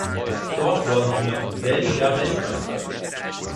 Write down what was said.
Dort wurden sie noch im selben Jahr Weltmeister.